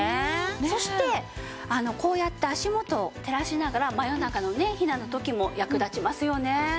そしてこうやって足元を照らしながら真夜中のね避難の時も役立ちますよね。